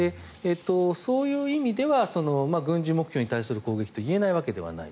そういう意味では軍事目標に対する攻撃といえないわけではない。